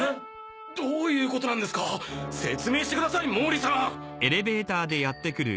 どういうことなんですか説明してください毛利さん！